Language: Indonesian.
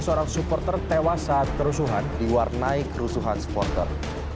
seorang supporter tewas saat kerusuhan di warnai kerusuhan supporter